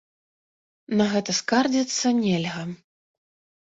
На гэта скардзіцца нельга.